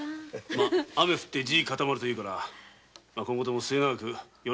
ま「雨降って地固まる」というから今後とも頼むよ。